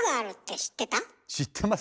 知ってます。